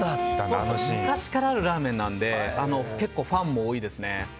昔からあるラーメンなので結構ファンも多いですね。